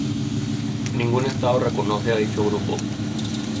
Ningún estado reconoce a dicho grupo.